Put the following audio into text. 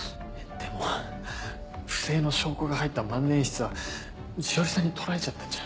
でも不正の証拠が入った万年筆は詩織さんに取られちゃったんじゃ。